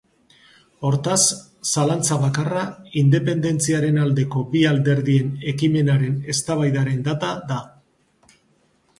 Hortaz, zalantza bakarra independentziaren aldeko bi alderdien ekimenaren eztabaidaren data da.